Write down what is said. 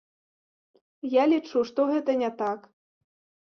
Я лічу, што гэта не так.